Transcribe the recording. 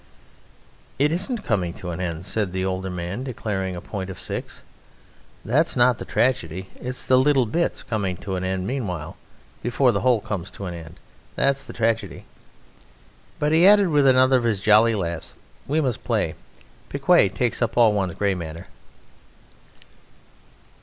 "It isn't its coming to an end," said the elder man, declaring a point of six, "that's not the tragedy; it's the little bits coming to an end meanwhile, before the whole comes to an end: that's the tragedy...." But he added with another of his jolly laughs: "We must play. Piquet takes up all one's grey matter."